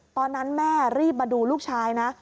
ตอนนั้นแม่รีบมาดูลูกชายนะ